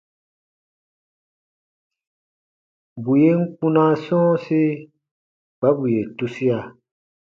Bù yen kpunaa sɔ̃ɔsi kpa bù yè tusia.